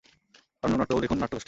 আরণ্যক নাট্যদল দেখুন নাট্যগোষ্ঠী।